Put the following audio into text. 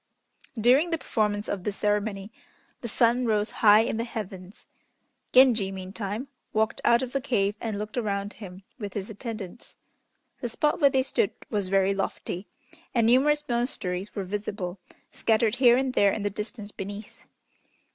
During the performance of this ceremony the sun rose high in the heavens. Genji, meantime, walked out of the cave and looked around him with his attendants. The spot where they stood was very lofty, and numerous monasteries were visible, scattered here and there in the distance beneath.